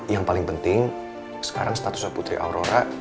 yang paling penting sekarang statusnya putri aurora